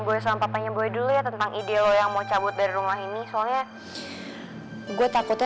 gue sama papanya gue dulu ya tentang ide lo yang mau cabut dari rumah ini soalnya gue takutnya